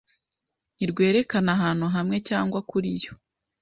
ntirwerekana ahantu hamwe cyangwa kuriyo